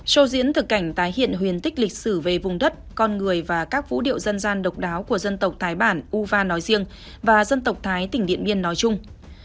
sho diễn thực cảnh tái hiện huyền tích lịch sử về vùng đất con người và các vũ điệu dân gian độc đáo của dân tộc thái bản uva nói riêng và dân tộc thái tỉnh điện biên nói chung